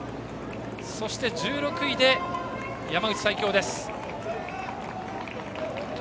そして１６位で山口・西京です。